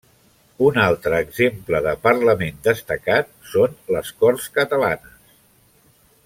Un altre exemple de parlament destacat són les Corts Catalanes.